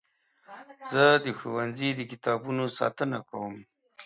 زه د ښوونځي د کتابونو ساتنه کوم.